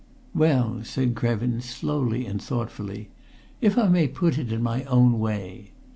"Well," said Krevin, slowly and thoughtfully, "if I may put it in my own way.